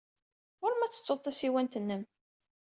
Ɣur-m ad tettud tasiwant-nnem.